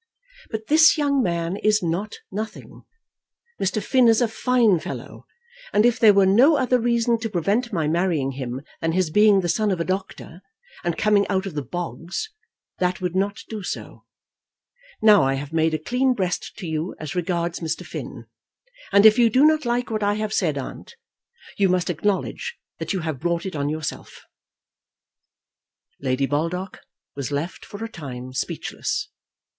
But this young man is not nothing. Mr. Finn is a fine fellow, and if there were no other reason to prevent my marrying him than his being the son of a doctor, and coming out of the bogs, that would not do so. Now I have made a clean breast to you as regards Mr. Finn; and if you do not like what I've said, aunt, you must acknowledge that you have brought it on yourself." Lady Baldock was left for a time speechless.